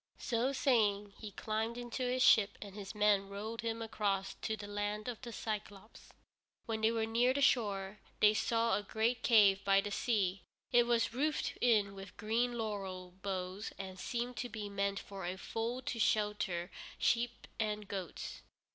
So saying, he climbed into his ship, and his men rowed him across to the Land of the Cyclôpes. When they were near the shore they saw a great cave by the sea. It was roofed in with green laurel boughs and seemed to be meant for a fold to shelter sheep and goats.